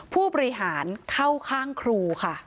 ผู้บริหารเข้าข้างครูค่ะ